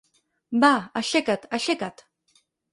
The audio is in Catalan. Va, aixeca't, aixeca't!